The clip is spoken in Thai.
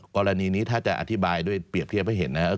กรณีนี้ถ้าจะอธิบายด้วยเปรียบเทียบให้เห็นนะครับ